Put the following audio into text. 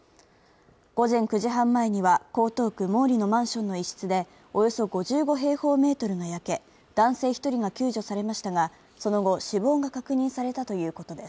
午前９時半前には江東区毛利のマンションの一室で、およそ５５平方メートルが焼け、男性１人が救助されましたが、その後、死亡が確認されたということです。